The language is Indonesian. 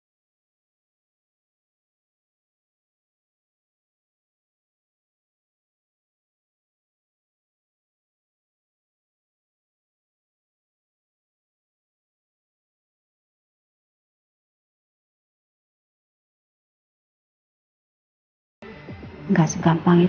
dia akan segera bebas dengan muka lukunya itu